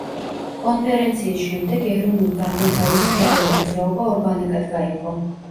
კონფერენციის შემდეგ ეროვნულ-განმათავისუფლებელი მოძრაობა ორ ბანაკად გაიყო.